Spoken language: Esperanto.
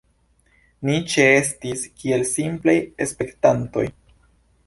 Ni ĉeestis kiel simplaj spektantoj.